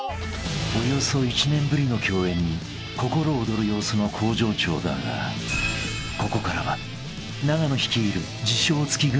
［およそ１年ぶりの共演に心躍る様子の向上長だがここからは永野率いる自称月軍団による］